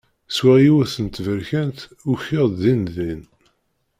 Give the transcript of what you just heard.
Swiɣ yiwet n tberkant, ukiɣ-d din din.